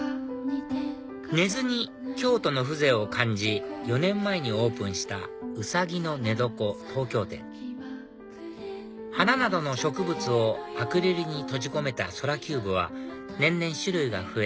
根津に京都の風情を感じ４年前にオープンしたウサギノネドコ東京店花などの植物をアクリルに閉じ込めたＳｏｌａｃｕｂｅは年々種類が増え